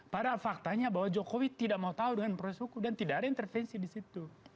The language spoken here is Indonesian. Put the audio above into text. padahal faktanya bahwa jokowi tidak mau tahu dengan proses hukum dan tidak ada intervensi di situ